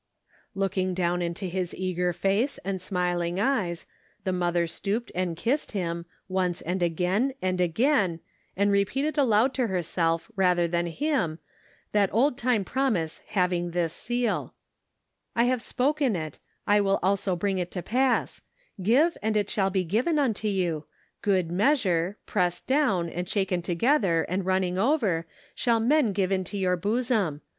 " Looking down into his eager face and smiling eyes, the mother stooped and kissed him, once and again, and again, and repeated aloud to her self rather than him, that old time promise hav ing this seal :" I have spoken it, I will also bring it to pass: Give and it shall be given unto you, good measure, pressed down, and shaken together, and running over, shall men give into your bosom.